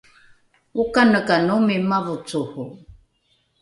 okanekanomi mavocoro?